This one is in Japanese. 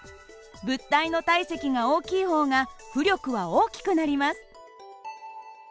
物体の体積が大きい方が浮力は大きくなります。